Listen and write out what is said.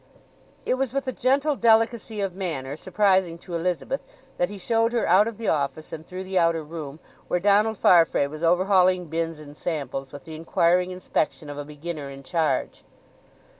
It was with a gentle delicacy of manner, surprising to Elizabeth, that he showed her out of the office and through the outer room, where Donald Farfrae was overhauling bins and samples with the inquiring inspection of a beginner in charge.